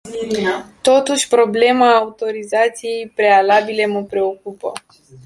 Totuși, problema autorizației prealabile mă preocupă.